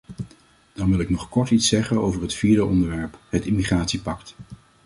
Dan wil ik nog kort iets zeggen over het vierde onderwerp, het immigratiepact.